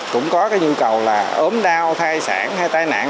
cũng có cái nhu cầu là ốm đau thai sản hay tai nạn